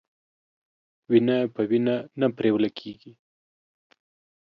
وينه په وينه نه پريوله کېږي.